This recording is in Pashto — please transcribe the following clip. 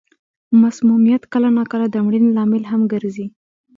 مسمومیت کله نا کله د مړینې لامل هم ګرځي.